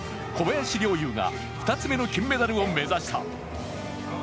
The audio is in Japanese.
小林陵侑が２つ目の金メダルを目指した。